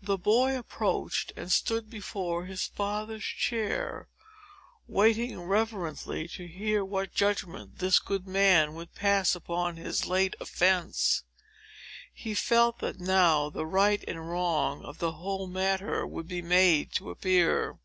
The boy approached, and stood before his father's chair, waiting reverently to hear what judgment this good man would pass upon his late offence. He felt that now the right and wrong of the whole matter would be made to appear.